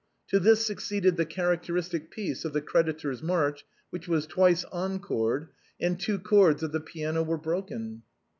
To this succeeded the characteristic piece of " The Creditor's March," which was twice encored, and two chords of the piano were broken.